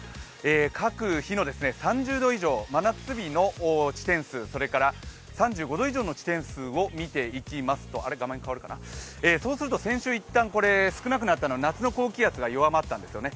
各日の３０度以上、真夏日の地点数、それから、３５度以上の地点数を見ていきますと、先週、一旦少なくなったのは夏の高気圧が弱まったんですよね。